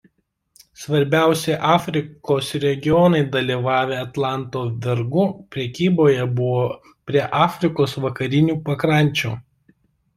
Svarbiausi Afrikos regionai dalyvavę Atlanto vergų prekyboje buvo prie Afrikos vakarinių pakrančių.